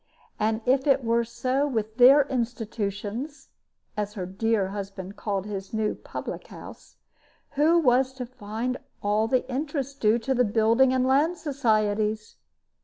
And if it were so with their institutions as her dear husband called his new public house who was to find all the interest due to the building and land societies?